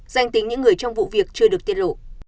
danh tính những người trong vụ việc chưa được tiết lộ